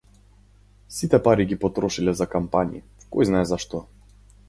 Сите пари ги потрошиле за кампањи, којзнае за што.